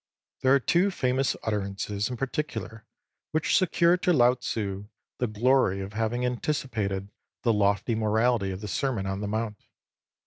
There are two famous utterances in particular which secure to Lao Tzu the glory of having anticipated the lofty morality of the Sermon on the Mount.